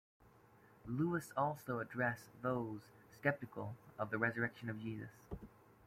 Lewis also address those skeptical of the Resurrection of Jesus.